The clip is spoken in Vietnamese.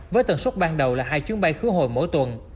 với tần sốc ban đầu là hai chuyến bay khứa hồi mỗi tuần